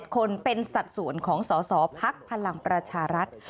๒๗คนเป็นสัตว์ส่วนของสอศภักดิ์พลังประชารัฐ